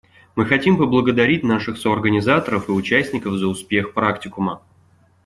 Мы хотим поблагодарить наших соорганизаторов и участников за успех практикума.